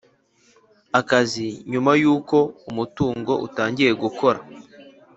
Akazi nyuma y uko umutungo utangiye gukora